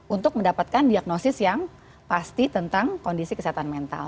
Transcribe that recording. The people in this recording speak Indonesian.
untuk mendapatkan diagnosis yang pasti tentang kondisi kesehatan mental